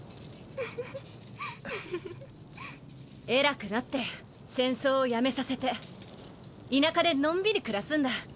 ふふふっ偉くなって戦争をやめさせて田舎でのんびり暮らすんだ。